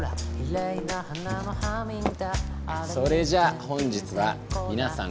それじゃあ本日はみなさん